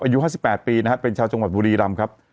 อายุห้าสิบแปดปีนะฮะเป็นชาวจังหวัดบุรีรำครับ